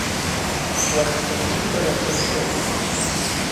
Иахҭниҵо рацәацәоуп.